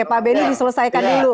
pak benny diselesaikan dulu